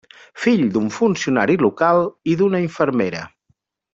Fill d'un funcionari local i d'una infermera.